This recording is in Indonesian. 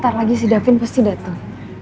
ntar lagi si da vin pasti dateng